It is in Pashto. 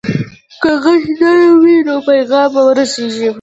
که غږ نرم وي، نو پیغام به ورسیږي.